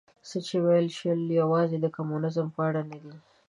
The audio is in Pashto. څه چې وویل شول یوازې د کمونیزم په اړه نه دي.